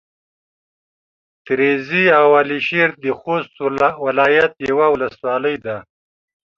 تريزي او على شېر د خوست ولايت يوه ولسوالي ده.